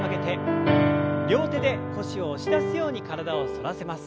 両手で腰を押し出すように体を反らせます。